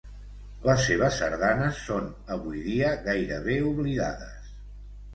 Les seves sardanes són avui dia gairebé oblidades.